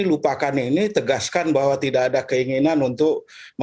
lupakan ini tegaskan bahwa tidak ada keinginan untuk